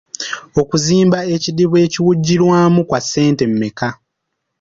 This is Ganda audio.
Okuzimba ekidiba ekiwugirwamu kwa ssente mmeka?